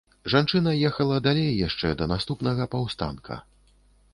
Жанчына ехала далей яшчэ да наступнага паўстанка.